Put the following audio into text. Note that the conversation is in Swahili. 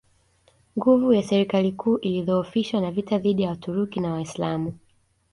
Nguvu ya serikali kuu ilidhoofishwa na vita dhidi ya Waturuki na Waislamu